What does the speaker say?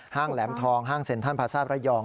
ห้างแหลมทองห้างเซ็นทร์ท่านพระทราบประยอง